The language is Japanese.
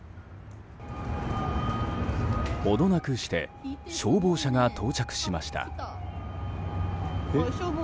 程なくして消防車が到着しました。